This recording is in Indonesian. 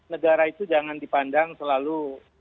negara itu jangan dipandang selalu